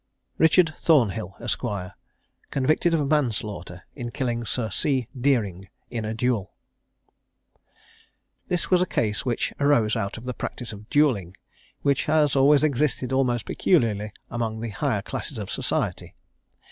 RICHARD THORNHILL, ESQ., CONVICTED OF MANSLAUGHTER, IN KILLING SIR C. DEERING IN A DUEL. This was a case which arose out of the practice of duelling, which has always existed almost peculiarly among the higher classes of society.